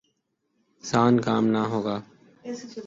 سان کام نہ ہوگا ۔